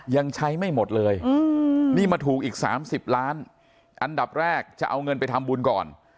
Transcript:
ยังใช้ไม่หมดเลยนี่มาถูกอีก๓๐ล้านอันดับแรกจะเอาเงินไปทำบุญก่อน